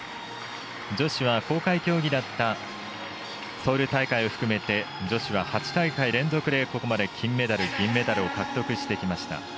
女子は公開競技だったソウル大会を含めて女子は８大会連続で金メダルと銀メダルを獲得してきました。